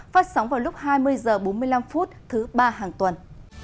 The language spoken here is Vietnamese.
phát sóng vào lúc hai mươi h bốn mươi năm thứ ba hàng tuần